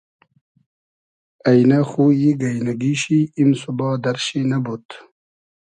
اݷنۂ خویی گݷنئگی شی ایم سوبا دئرشی نئبود